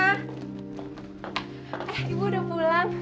eh ibu udah pulang